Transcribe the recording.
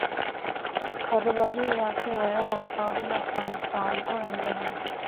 کاروباری علاقہ غیر ہور کابل افغانستان تو اِیندے ہن۔